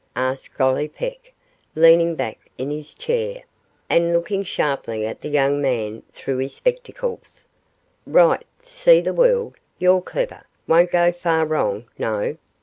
asked Gollipeck, leaning back in his chair, and looked sharply at the young man through his spectacles, 'right see the world you're clever won't go far wrong no!